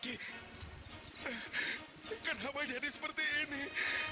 kenapa jadi seperti ini